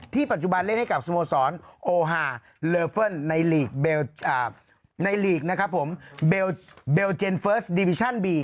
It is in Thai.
ปัจจุบันเล่นให้กับสโมสรโอฮาเลอเฟิร์นในลีกนะครับผมเบลเจนเฟิร์สดิวิชั่นบี